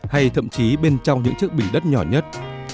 hay thậm chí bên trong những chiếc bình đất nhỏ nhất